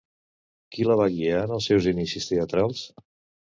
Qui la va guiar en els seus inicis teatrals?